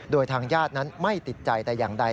โดยทางญาตินั้นไม่ติดใจแต่อย่างใด